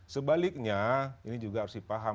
sebaliknya ini juga harus dipaham